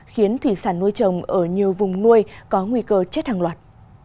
khiến thủy sản nuôi trồng ở nhiều vùng nuôi có nguy cơ chết hàng loạt